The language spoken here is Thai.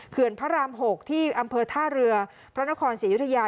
เขื่อนพระราม๖ที่อำเภอท่าเรือพระนครเสียยุทยา